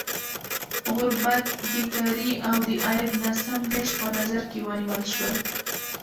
غربت، بېکاري او د عاید ناسم ویش په نظر کې ونیول شول.